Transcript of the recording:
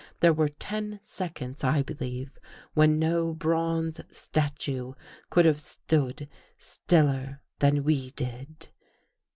There were ten seconds, I believe, when no bronze statue could have stood stiller than we did.